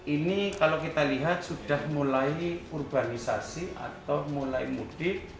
ini kalau kita lihat sudah mulai urbanisasi atau mulai mudik